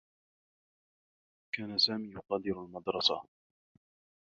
كان سامي يغادر المدرسة.